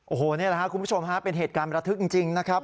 โอ้โหนี่แหละครับคุณผู้ชมฮะเป็นเหตุการณ์ประทึกจริงนะครับ